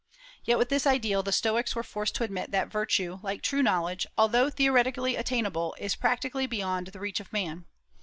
Yet with this ideal the Stoics were forced to admit that virtue, like true knowledge, although theoretically attainable is practically beyond the reach of man.